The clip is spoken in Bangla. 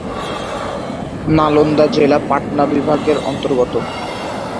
নালন্দা জেলা পাটনা বিভাগের অন্তর্গত।